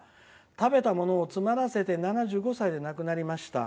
食べたものを詰まらせて７５歳で亡くなりました。